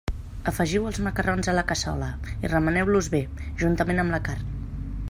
Afegiu els macarrons a la cassola i remeneu-los bé, juntament amb la carn.